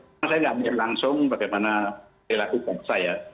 saya tidak punya langsung bagaimana dia lakukan saya